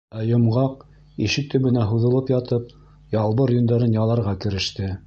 Ә Йомғаҡ, ишек төбөнә һуҙылып ятып, ялбыр йөндәрен яларға кереште.